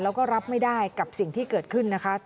แล้วก็รับไม่ได้กับสิ่งที่เกิดขึ้นนะคะ